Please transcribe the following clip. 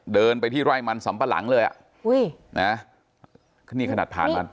เดินไปที่ไร่มันสำปะหลังเลยอ่ะอุ้ยนะนี่ขนาดผ่านมัน